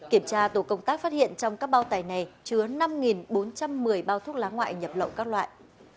kiểm tra tổ công tác phát hiện trong các bao tải này chứa năm bốn trăm một mươi bao thuốc lá ngoại nhập lậu các loại